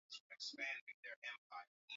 zaidi kichwa kikubwa cha nywele za rangi nyekundu